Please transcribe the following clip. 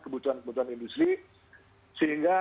kebutuhan kebutuhan industri sehingga